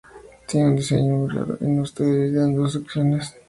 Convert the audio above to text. Tiene un diseño muy raro y no está dividida en dos secciones.